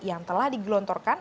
yang telah digelontorkan